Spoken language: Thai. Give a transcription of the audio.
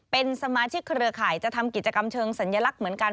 เป็นสมาชิกเครือข่ายจะทำกิจกรรมเชิงสัญลักษณ์เหมือนกัน